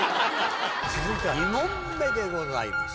続いては２問目でございます。